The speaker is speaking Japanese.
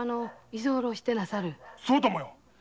そうともよ。